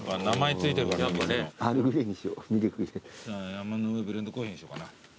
山の上ブレンドコーヒーにしようかな。